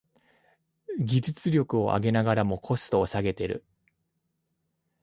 技術力を上げながらコストも下げてる